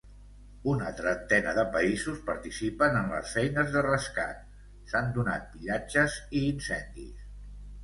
Una trentena de països participen en les feines de rescat, s'han donat pillatges i incendis.